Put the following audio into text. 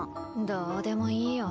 どうでもいいよ。